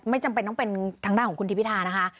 จำเป็นต้องเป็นทางด้านของคุณทิพิธานะคะ